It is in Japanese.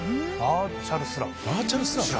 「バーチャルスラム」